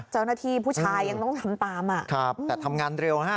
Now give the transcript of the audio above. เจ้าหน้าที่ผู้ชายยังต้องทำตามอ่ะครับแต่ทำงานเร็วฮะ